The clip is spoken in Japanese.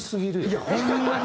いやホンマに。